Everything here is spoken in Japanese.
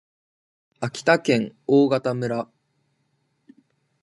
秋田県大潟村